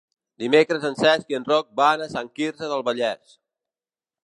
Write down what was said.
Dimecres en Cesc i en Roc van a Sant Quirze del Vallès.